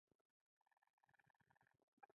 پیښو وارخطا کړ.